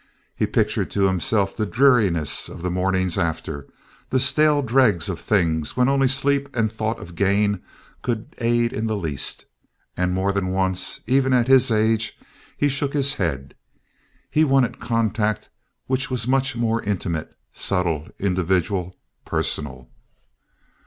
He pictured to himself the dreariness of the mornings after, the stale dregs of things when only sleep and thought of gain could aid in the least; and more than once, even at his age, he shook his head. He wanted contact which was more intimate, subtle, individual, personal.